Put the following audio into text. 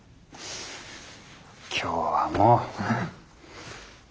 今日はもう。